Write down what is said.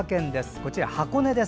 こちら、箱根です。